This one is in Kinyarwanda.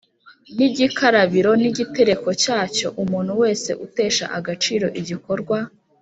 n igikarabiro n igitereko cyacyo Umuntu wese utesha agaciro igikorwa